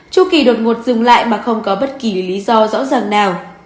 chu kỳ đột ngột dừng lại mà không có bất kỳ lý do rõ ràng nào